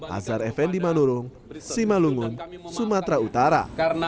azhar effendi manurung simalungun sumatera utara